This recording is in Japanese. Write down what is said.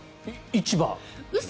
市場。